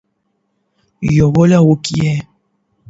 يووالى وکړٸ